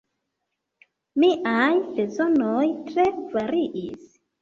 Miaj bezonoj tre variis.